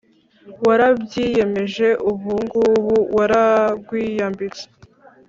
warabyiyemeje ubungubu wararwiyambitse